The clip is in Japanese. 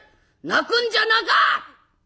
泣くんじゃなか！」。